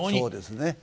そうですね。